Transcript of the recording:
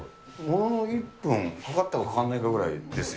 ものの１分かかったか、かかんないかです。